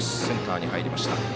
センターに入りました。